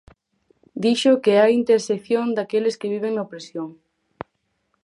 Dixo que é a intersección daqueles que viven na opresión.